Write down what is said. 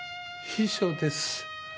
秘書です。